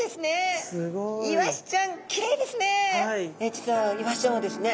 実はイワシちゃんはですね